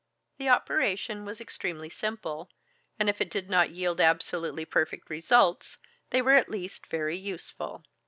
The operation was extremely simple, and if it did not yield absolutely perfect results, they were at least very useful.